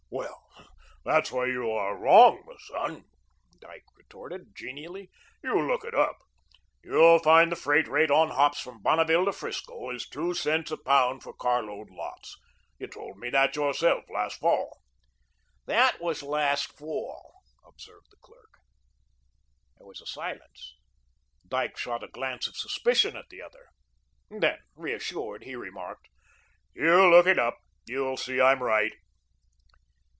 "Well, there's where you are wrong, m'son," Dyke retorted, genially. "You look it up. You'll find the freight on hops from Bonneville to 'Frisco is two cents a pound for car load lots. You told me that yourself last fall." "That was last fall," observed the clerk. There was a silence. Dyke shot a glance of suspicion at the other. Then, reassured, he remarked: "You look it up. You'll see I'm right."